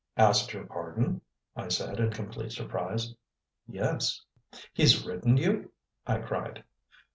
"Asked your pardon?" I said, in complete surprise. "Yes." "He's written you?" I cried.